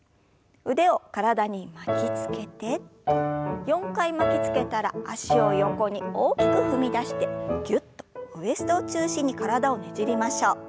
腕を体に巻きつけて４回巻きつけたら脚を横に大きく踏み出してぎゅっとウエストを中心に体をねじりましょう。